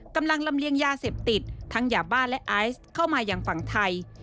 กำลังลำเลียงยาเสพติดทั้งยาบ้าและไอซ์เข้ามาอย่างฝั่งไทย